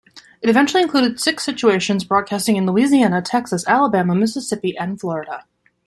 It eventually included six stations broadcasting in Louisiana, Texas, Alabama, Mississippi and Florida.